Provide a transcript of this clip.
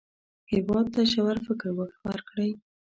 هېواد ته ژور فکر ورکړئ